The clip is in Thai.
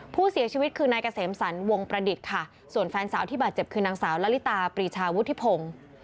ผู้เสียชีวิตคือนายเกษมสรรวงประดิษฐ์ค่ะส่วนแฟนสาวที่บาดเจ็บคือนางสาวละลิตาปรีชาวุฒิพงศ์